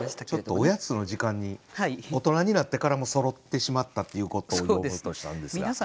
ちょっとおやつの時間に大人になってからもそろってしまったっていうことを詠もうとしたんですが。